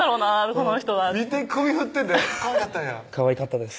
この人は見て首振ってんでかわいかったんやかわいかったです